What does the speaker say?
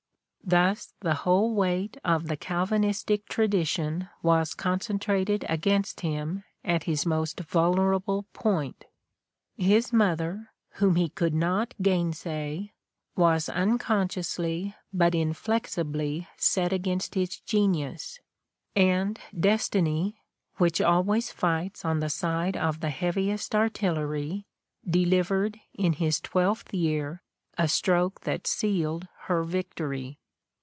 Thus the whole weight of the Calvinistic tradition was concentrated against him at his most vulnerable point. His mother, whom he could not gainsay, was unconsciously but inflexibly set against his genius ; and destiny, which always flghts on the side of the heaviest artillery, delivered, in his twelfth year, a stroke that sealed her victory.